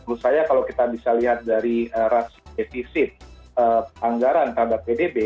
menurut saya kalau kita bisa lihat dari rasio defisit anggaran terhadap pdb